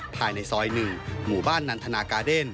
ภายในซอย๑หมู่บ้านนันทนากาเดน